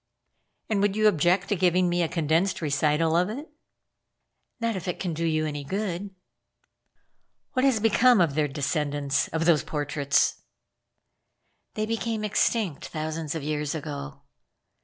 "And would you object to giving me a condensed recital of it?" "Not if it can do you any good?" "What has become of their descendants of those portraits?" "They became extinct thousands of years ago."